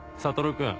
君